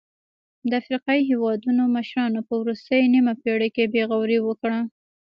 د افریقايي هېوادونو مشرانو په وروستۍ نیمه پېړۍ کې بې غوري وکړه.